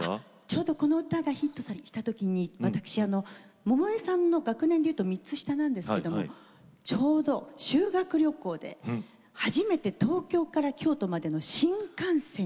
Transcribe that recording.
ちょうどこの歌がヒットした時に私百恵さんの学年で言うと３つ下なんですけどもちょうど修学旅行で初めて東京から京都までの新幹線に乗ったという。